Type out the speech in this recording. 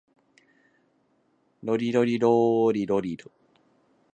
ロリロリローリロリ